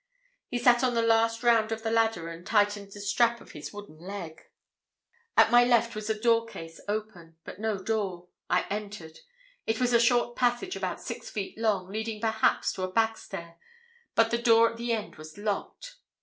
He sat on the last round of the ladder, and tightened the strap of his wooden leg. At my left was a door case open, but no door. I entered; it was a short passage about six feet long, leading perhaps to a backstair, but the door at the end was locked.